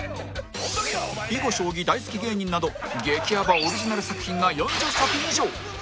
囲碁将棋大好き芸人など激やばオリジナル作品が４０作以上！